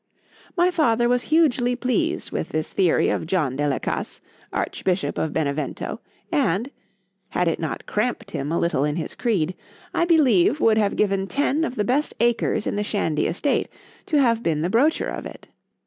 My father was hugely pleased with this theory of John de la Casse, archbishop of Benevento; and (had it not cramped him a little in his creed) I believe would have given ten of the best acres in the Shandy estate, to have been the broacher of it.